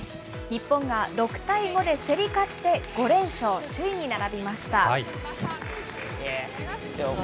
日本が６対５で競り勝って５連勝、首位に並びました。